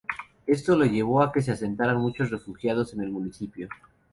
Esto llevó a que se asentaran muchos refugiados en el Municipio.